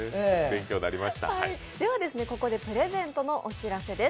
ここでプレゼントのお知らせです。